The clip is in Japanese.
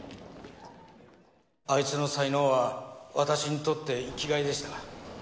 あいつの才能は私にとって生きがいでした。